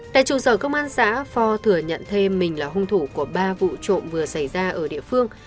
tại trụ sở công an xã phò thừa nhận thêm mình là hung thủ của ba vụ trộm vừa xảy ra ở địa phương